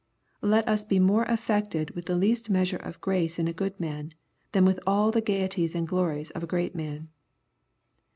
Let us be more affected with the least measure of grace in a good man, than with all the gaieties and glories of a great man."